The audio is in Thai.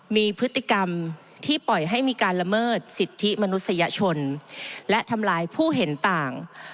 มีพฤติกรรมที่ปล่อยให้มีการละเมิดสิทธิมนุษยชนและทำลายผู้เห็นต่าง